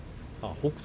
北勝